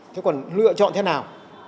thế còn lựa chọn thế nào